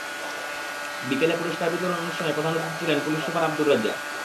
বিকেলে পুরস্কার বিতরণ অনুষ্ঠানে প্রধান অতিথি ছিলেন পুলিশ সুপার আবদুর রাজ্জাক।